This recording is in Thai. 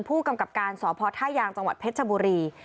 ผู้กำกับการสพท่ายางจังหวัดเพชรชบุรี